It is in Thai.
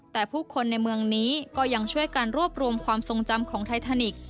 แต่ผู้คนในเมืองนี้ก็ยังช่วยการรวบรวมความทรงจำของไททานิกส์